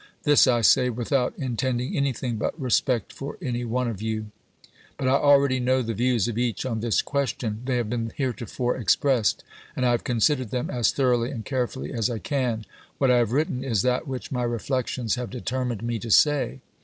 This I say without intend ing anything but respect for any one of you. But I al ready know the views of each on this question. They have been heretofore expressed, and I have considered them as thoroughly and carefully as I can. What I have written is that which my reflections have determined me to say.